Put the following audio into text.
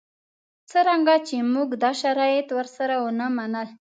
څرنګه چې موږ دا شرایط ورسره ونه منل.